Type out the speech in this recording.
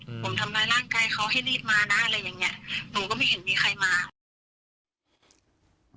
อืมผมทำร้ายร่างกายเขาให้รีบมานะอะไรอย่างเงี้ยหนูก็ไม่เห็นมีใครมา